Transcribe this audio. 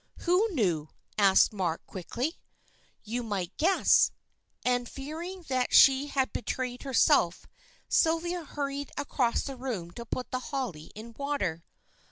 "Who knew?" asked Mark, quickly. "You must guess." And fearing that she had betrayed herself, Sylvia hurried across the room to put the holly in water.